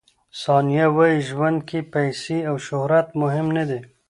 ثانیه وايي، ژوند کې پیسې او شهرت مهم نه دي.